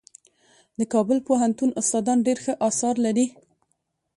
د کابل پوهنتون استادان ډېر ښه اثار لري.